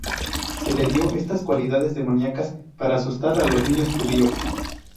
Se le dio estas cualidades demoníacas para asustar a los niños judíos.